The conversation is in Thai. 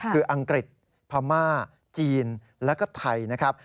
คืออังกฤษพม่าจีนแล้วก็ไทยนะครับ